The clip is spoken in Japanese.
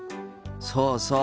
そうそう。